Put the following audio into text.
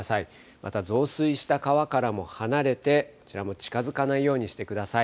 また増水した川からも離れて、こちらも近づかないようにしてください。